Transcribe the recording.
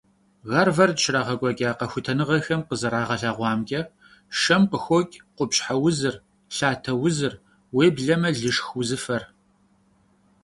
Гарвард щрагъэкӀуэкӀа къэхутэныгъэхэм къызэрагъэлъэгъуамкӀэ, шэм къыхокӀ къупщхьэ узыр, лъатэ узыр, уеблэмэ лышх узыфэр.